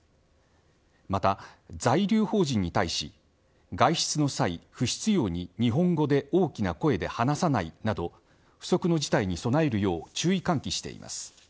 また、在留邦人に対し外出の際、不必要に日本語で大きな声で話さないなど不測の事態に備えるよう注意喚起しています。